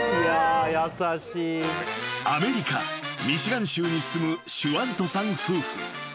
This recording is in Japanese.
［アメリカミシガン州に住むシュワントさん夫婦］